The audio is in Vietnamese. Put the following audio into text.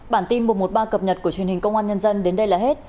bản tin một trăm một mươi ba cập nhật của truyền hình công an nhân dân đến đây là hết